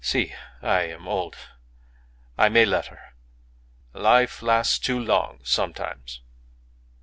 Si ... I am old. I may let her. Life lasts too long sometimes."